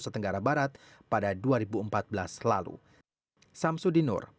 tenggara barat pada dua ribu empat belas lalu